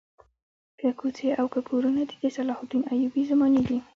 که کوڅې او که کورونه دي د صلاح الدین ایوبي زمانې دي.